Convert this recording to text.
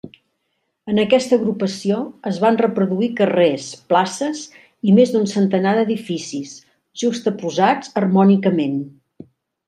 En aquesta agrupació es van reproduir carrers, places i més d'un centenar d'edificis, juxtaposats harmònicament.